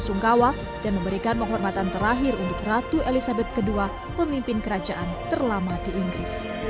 sungkawa dan memberikan penghormatan terakhir untuk ratu elisabeth kedua pemimpin kerajaan terlama di